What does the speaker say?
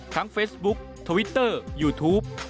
ทั้งเฟสบุ๊กทวิตเตอร์ยูทูป